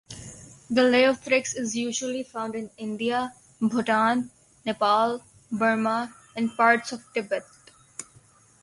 The leiothrix is usually found in India, Bhutan, Nepal, Burma and parts of Tibet.